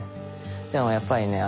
でもやっぱりね